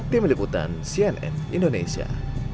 tim liputan cnn indonesia